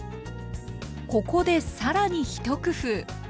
ここで更に一工夫。